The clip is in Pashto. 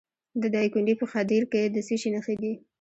د دایکنډي په خدیر کې د څه شي نښې دي؟